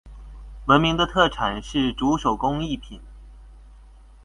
闻名的特产是竹手工艺品。